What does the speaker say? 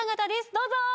どうぞ。